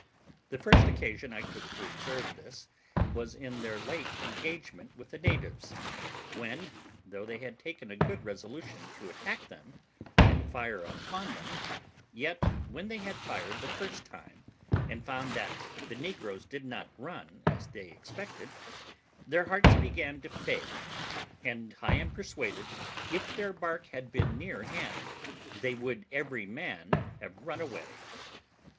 The first occasion I took to observe this, was in their late engagement with the natives, when, though they had taken a good resolution to attack them and fire upon them, yet, when they had fired the first time, and found that the negroes did not run as they expected, their hearts began to fail, and I am persuaded, if their bark had been near hand, they would every man have run away.